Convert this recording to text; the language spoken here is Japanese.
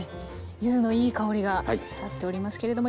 柚子のいい香りが立っておりますけれども。